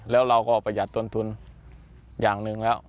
แล้วเราก็ประหยัดต้นทุนอย่างหนึ่งแล้ว